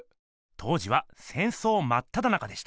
当時は戦争まっただ中でした。